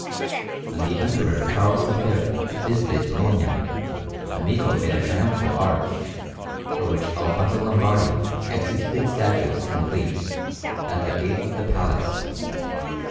When the Emperor Charles V visited Bologna, Amico made a triumphal arch, for which Alfonso Lombardi executed statues in relief, at the gate of the Palace.